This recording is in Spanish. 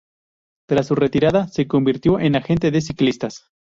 Tras su retirada se convirtió en agente de ciclistas.